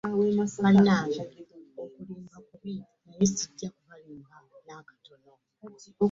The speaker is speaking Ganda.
Bannange, okulimba kubi naye ssijja kubalimba n'akatono.